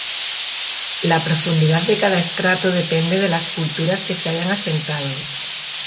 La profundidad de cada estrato depende de las culturas que se hayan asentado.